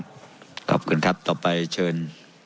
บ๊วยว่าอัพคุณครับต่อไปเชิญ